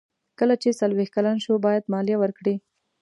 کله چې څلویښت کلن شو باید مالیه ورکړي.